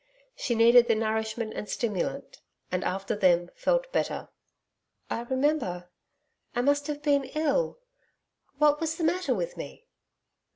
She needed the nourishment and stimulant, and after them felt better. 'I remember.... I must have been ill. What was the matter with me?'